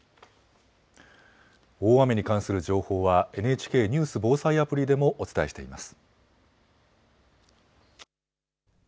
大雨に関する情報はＮＨＫニュース・防災アプリでもお伝えしています。